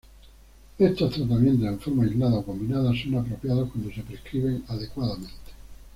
Estos tratamientos en forma aislada o combinada son apropiados cuando se prescriben adecuadamente.